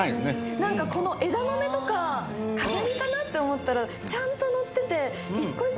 何かこの枝豆とか飾りかなって思ったらちゃんとのってて１個１個